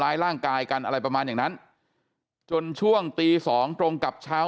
ร่างกายกันอะไรประมาณอย่างนั้นจนช่วงตีสองตรงกับเช้า